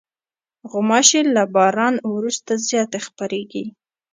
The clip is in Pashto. غوماشې له باران وروسته زیاتې خپرېږي.